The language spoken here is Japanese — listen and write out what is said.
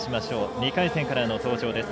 ２回戦からの登場です。